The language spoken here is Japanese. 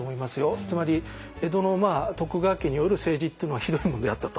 つまり江戸の徳川家による政治っていうのはひどいもんであったと。